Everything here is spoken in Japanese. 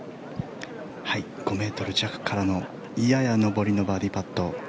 ５ｍ弱からのやや上りのバーディーパット。